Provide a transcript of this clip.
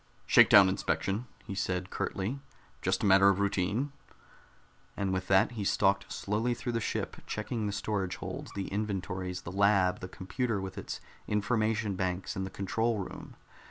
"Shakedown inspection," he said curtly. "Just a matter of routine." And with that he stalked slowly through the ship, checking the storage holds, the inventories, the lab, the computer with its information banks, and the control room.